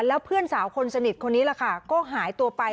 แล้วเพื่อนสาวคนสนิทคนนี้ล่ะค่ะก็หายตัวไป